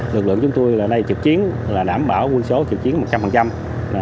lực lượng chúng tôi ở đây trực chiến đảm bảo quân số trực chiến một trăm linh